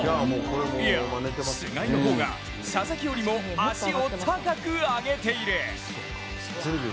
いや、菅井の方が佐々木よりも足を高く上げている。